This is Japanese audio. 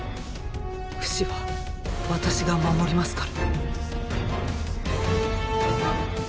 フシは私が守りますから！